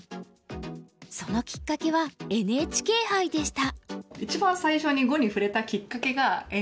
そのきっかけはＮＨＫ杯でした。